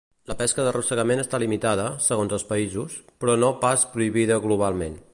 La pesca d’arrossegament està limitada, segons els països, però no pas prohibida globalment.